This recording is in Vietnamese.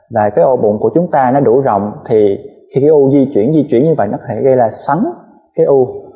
và cái ô bụng của chúng ta nó đủ rộng thì khi cái u di chuyển di chuyển như vậy nó có thể gây ra sắn cái u